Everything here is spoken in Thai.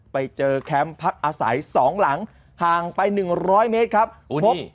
ไปเจอแคมป์พักอาศัยสองหลังห่างไปหนึ่งร้อยเมตรครับโอ้นี่